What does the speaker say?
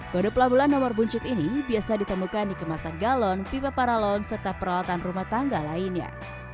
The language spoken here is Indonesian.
kode pelabulan nomor buncit ini biasa ditemukan di kemasan galon pipa paralon serta peralatan rumah tangga lainnya